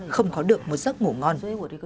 không có được một giấc ngủ ngon